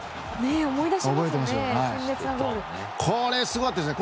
これ、すごかったですよね。